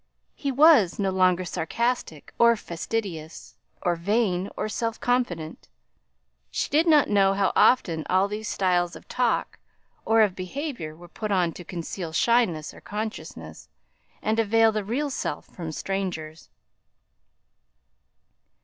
He was no longer sarcastic, or fastidious, or vain, or self confident. She did not know how often all these styles of talk or of behaviour were put on to conceal shyness or consciousness, and to veil the real self from strangers.